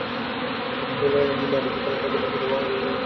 অন্যথায় মাহবুবুলকে নারী কেলেঙ্কারিতে ফাঁসিয়ে দেওয়া হবে বলে হুমকি দেওয়া হয়।